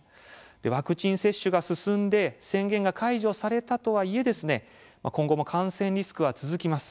ワクチン接種が進んで宣言が解除されたとはいえ今後も感染リスクは続きます。